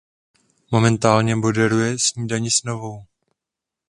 Momentálně moderuje "Snídani s Novou".